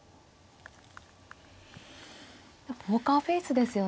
ポーカーフェースですよね。